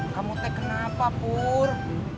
kamu tek kenapa pur